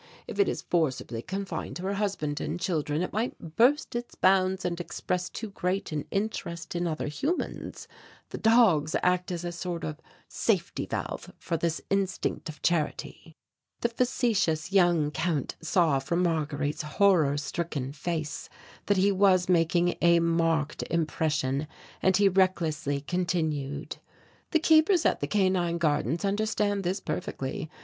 If it be forcibly confined to her husband and children it might burst its bounds and express too great an interest in other humans. The dogs act as a sort of safety valve for this instinct of charity." The facetious young Count saw from Marguerite's horror stricken face that he was making a marked impression and he recklessly continued: "The keepers at the Canine Gardens understand this perfectly.